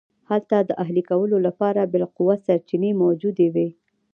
هلته د اهلي کولو لپاره بالقوه سرچینې موجودې وې